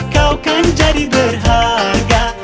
kau kan jadi berharga